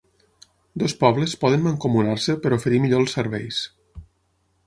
Dos pobles poden mancomunar-se per a oferir millor els serveis.